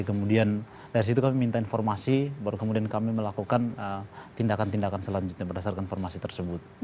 kemudian dari situ kami minta informasi baru kemudian kami melakukan tindakan tindakan selanjutnya berdasarkan informasi tersebut